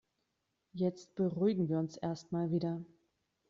Jetzt beruhigen wir uns erst mal wieder.